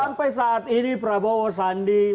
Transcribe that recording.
sampai saat ini prabowo sandi